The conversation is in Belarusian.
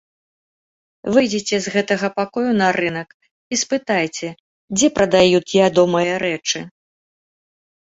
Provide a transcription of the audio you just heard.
Выйдзеце з гэтага пакою на рынак і спытайце, дзе прадаюць ядомыя рэчы?